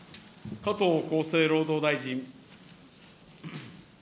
加藤厚生労働大臣。